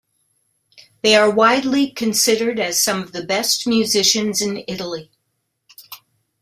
They are widely considered as some of the best musicians in Italy.